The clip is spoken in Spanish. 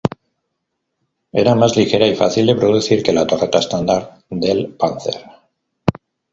Era más ligera y fácil de producir que la torreta estándar del Panther.